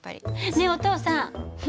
ねえお父さん。